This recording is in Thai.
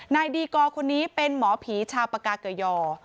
นายดีกอร์คนนี้เป็นหมอผีชาวปากาเกยอ